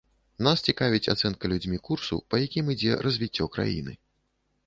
Нас цікавіць ацэнка людзьмі курсу, па якім ідзе развіццё краіны.